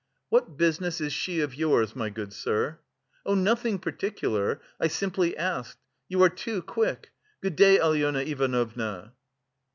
"What business is she of yours, my good sir?" "Oh, nothing particular, I simply asked. You are too quick.... Good day, Alyona Ivanovna."